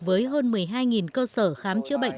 với hơn một mươi hai cơ sở khám chữa bệnh